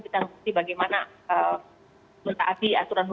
kita ngerti bagaimana menaati aturan hukum